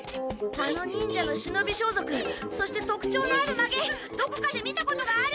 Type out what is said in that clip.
あの忍者の忍び装束そしてとくちょうのあるまげどこかで見たことがある。